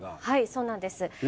はいそうなんです。